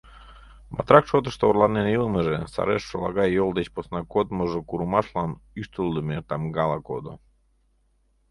Батрак шотышто орланен илымыже, сареш шолагай йол деч посна кодмыжо курымашлан ӱштылдымӧ тамгала кодо.